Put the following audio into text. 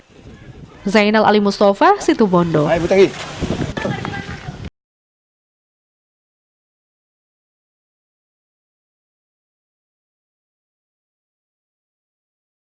pertanian mengasahkan laporan masyarakat bahwa di kampung barat rt tiga rw enam telah ditemukan ribuan ulat bulu yang berasal dari pohon jarak